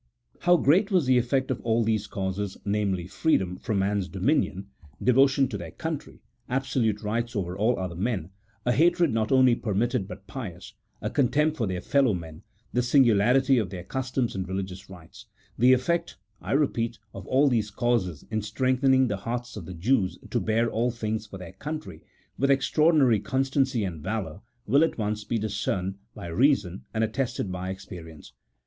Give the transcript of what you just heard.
How great was the effect of all these causes, namely, freedom from man's dominion ; devotion to their country ; 230 A THEOLOGICO POLITICAL TREATISE. [CHAP. XVII. absolute rights over all other men ; a hatred not only per mitted but pious ; a contempt for their fellow men ; the singularity of their customs and religious rites ; the effect, I repeat, of all these causes in strengthening the hearts of the Jews to bear all things for their country, with ex traordinary constancy and valour, will at once be discerned by reason and attested by experience.